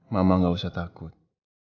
mama gak usah takut